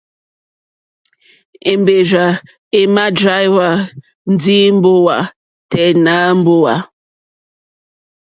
Èmbèrzà èmà dráíhwá ndí mbówà tɛ́ nà mbówà.